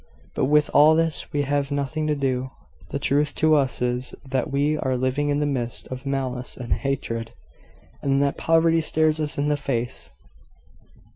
But with all this we have nothing to do. The truth to us is, that we are living in the midst of malice and hatred, and that poverty stares us in the face.